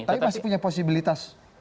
tapi masih punya posibilitas